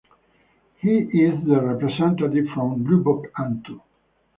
He is the representative from Lubok Antu.